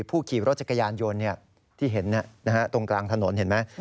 ผู้ขี่รถจักรยานยนต์ที่เห็นตรงกลางถนนเห็นไหม